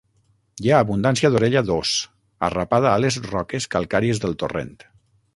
Hi ha abundància d'orella d'ós, arrapada a les roques calcàries del torrent.